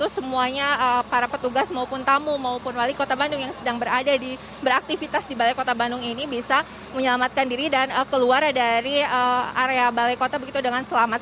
semuanya para petugas maupun tamu maupun wali kota bandung yang sedang berada di beraktivitas di balai kota bandung ini bisa menyelamatkan diri dan keluar dari area balai kota begitu dengan selamat